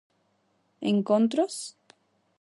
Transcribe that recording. Encontros?